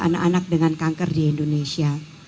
anak anak dengan kanker di indonesia